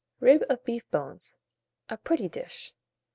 RIB OF BEEF BONES. (A Pretty Dish.)